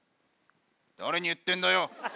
誰に言ってるんだよ！